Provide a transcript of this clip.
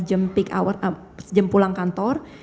jam pulang kantor